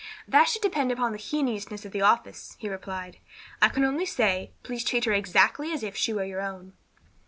"That should depend upon the heinousness of the offence," he replied. "I can only say, please treat her exactly as if she were your own."